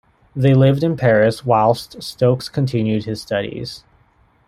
They lived in Paris whilst Stokes continued his studies.